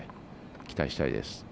期待したいです。